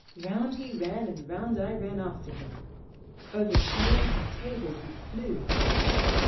Round he ran and round I ran after him. Over chairs and tables we flew